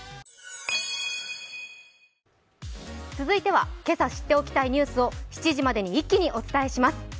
続いてはけさ知っておきたいニュースを７時までに一気にお届けします。